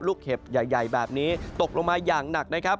เห็บใหญ่แบบนี้ตกลงมาอย่างหนักนะครับ